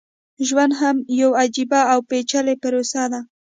ژوند هم يوه عجيبه او پېچلې پروسه ده.